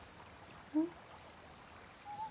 うん？